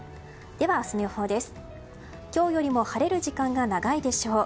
明日の予報です。